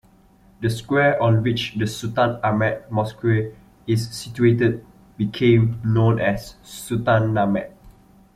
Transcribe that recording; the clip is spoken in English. The square on which the Sultan Ahmed Mosque is situated became known as Sultanahmet.